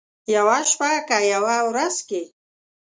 یوه شپه که یوه ورځ کې،